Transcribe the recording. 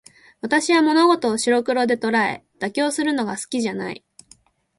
私は物事を白黒で捉え、妥協するのが好きじゃない。